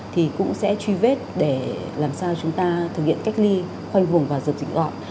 thì cũng sẽ truy vết để làm sao chúng ta thực hiện cách ly khoanh vùng và dập dịch gọn